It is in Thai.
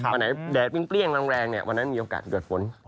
วันไหนแดดเปรี้ยงแรงวันนั้นมีโอกาสเกิดฝน